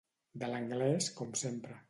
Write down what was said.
De l'anglès, com sempre.